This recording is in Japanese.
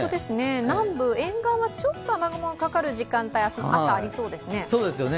南部沿岸はちょっと雨雲がかかる時間帯、明日朝ありそうですね。